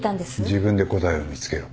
自分で答えを見つけろ。